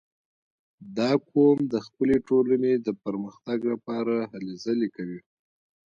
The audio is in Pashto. • دا قوم د خپلې ټولنې د پرمختګ لپاره هلې ځلې کوي.